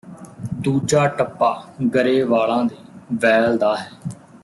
ਦੂਜਾ ਟੱਪਾ ਗਰੇਵਾਲਾਂ ਦੇ ਵੈਲ ਦਾ ਹੈ